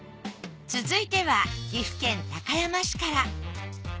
続いては岐阜県高山市から。